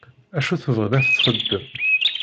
Acu tebɣiḍ ad t-texdem?